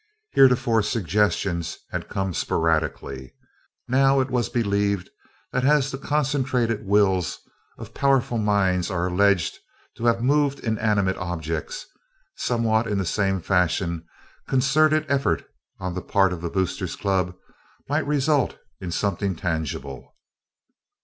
Heretofore suggestions had come sporadically; now it was believed that as the concentrated wills of powerful minds are alleged to have moved inanimate objects, somewhat in the same fashion concerted effort on the part of the Boosters Club might result in something tangible.